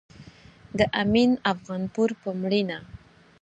د امين افغانپور په مړينه